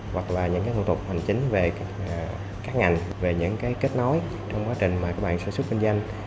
hoặc là những thủ tục hành chính về các ngành về những cái kết nối trong quá trình mà các bạn sản xuất kinh doanh